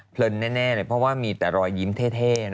เลินแน่เลยเพราะว่ามีแต่รอยยิ้มเท่